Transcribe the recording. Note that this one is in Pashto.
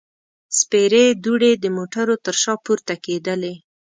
سپېرې دوړې د موټرو تر شا پورته کېدلې.